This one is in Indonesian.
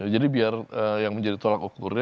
jadi biar yang menjadi tolak ukurnya